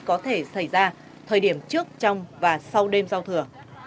có thể xảy ra thời điểm trước trong và sau đêm giao thừa